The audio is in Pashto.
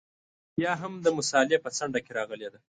یا هم د مسألې په څنډه کې راغلې ده.